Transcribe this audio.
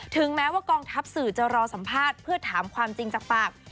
ถึงแม้ว่ากองทัพสื่อจะรอสัมภาษณ์เพื่อถามความจริงจากปาก